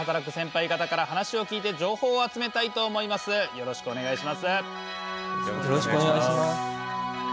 よろしくお願いします。